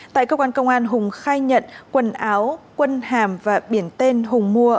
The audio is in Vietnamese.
tại cơ quan công an hùng khai nhận quần áo quân hàm và biển tên hùng mua